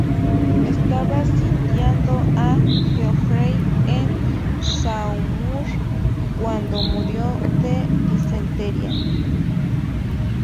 Estaba sitiando a Geoffrey en Saumur cuando murió de disentería.